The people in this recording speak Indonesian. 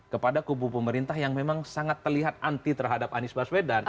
kepada kubu pemerintah yang memang sangat terlihat anti terhadap anies baswedan